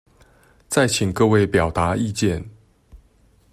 再請各位表達意見